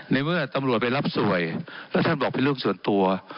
ในเมื่อตำรวจไปรับสวยแล้วท่านบอกเป็นเรื่องส่วนตัว